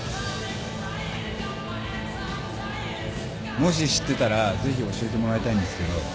もし知ってたらぜひ教えてもらいたいんですけど。